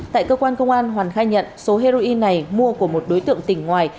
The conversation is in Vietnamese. tại cơ quan công an hoàn khai nhận số heroin này mua của một đối tượng tỉnh ngoài